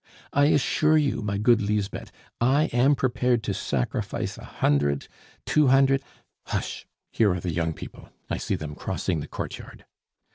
"I assure you, my good Lisbeth, I am prepared to sacrifice a hundred, two hundred Hush! Here are the young people, I see them crossing the courtyard.